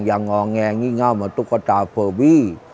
อย่างงอแงงี้ง่าวเหมือนตุ๊กตาเฟอร์วี